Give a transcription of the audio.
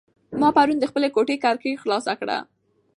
ما پرون د خپلې کوټې کړکۍ خلاصه کړه.